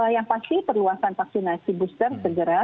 yang pasti perlu akan vaksinasi booster segera